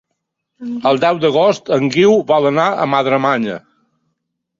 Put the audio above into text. El deu d'agost en Guiu vol anar a Madremanya.